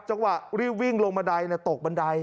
จังหวะรีบวิ่งลงบันไดตกบันได